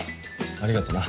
ありがとな。